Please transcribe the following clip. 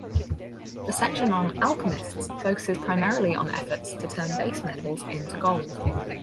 The section on "alchemysts" focuses primarily on efforts to turn base metals into gold.